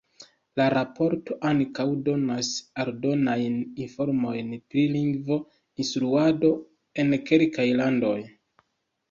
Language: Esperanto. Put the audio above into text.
La raporto ankaŭ donas aldonajn informojn pri lingvo-instruado en kelkaj landoj.